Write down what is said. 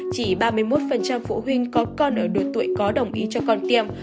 chỉ ba mươi một phụ huynh có con ở độ tuổi có đồng ý cho con tiêm